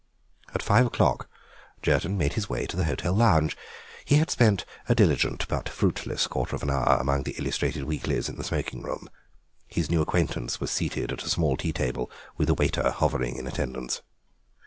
At five o'clock Jerton made his way to the hotel lounge; he had spent a diligent but fruitless quarter of an hour among the illustrated weeklies in the smoking room. His new acquaintance was seated at a small tea table, with a waiter hovering in attendance.